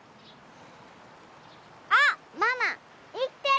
あっママ生きてる！